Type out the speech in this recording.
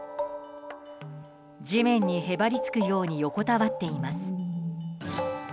地面にへばりつくように横たわっています。